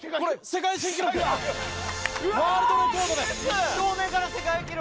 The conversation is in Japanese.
１投目から世界記録。